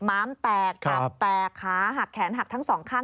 ม้ามแตกตับแตกขาหักแขนหักทั้งสองข้าง